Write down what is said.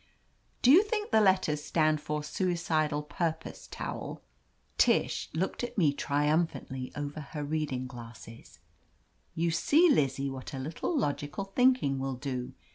Do you think the letters stand for Suicidal Purpose Towel ?'" Tish looked at me triumphantly over her reading glasses, "You see, Lizzie, what a little logical think ing will do.